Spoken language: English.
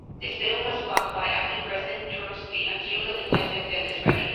This bill was blocked by acting President Turchynov, until a replacement bill is ready.